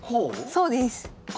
そうです。